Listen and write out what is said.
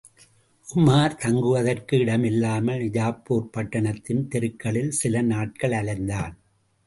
உமார் தங்குவதற்கு இடமில்லாமல் நிஜாப்பூர் பட்டணத்தின் தெருக்களில் சில நாட்கள் அலைந்தான்.